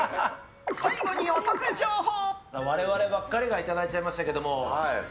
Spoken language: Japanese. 最後に、お得情報。